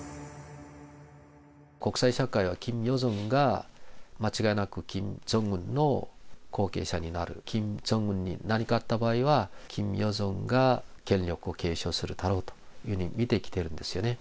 国際社会はキム・ヨジョンが間違いなくキム・ジョンウンの後継者になる、キム・ジョンウンに何かあった場合は、キム・ヨジョンが権力を継承するだろうというふうに見てきているんですよね。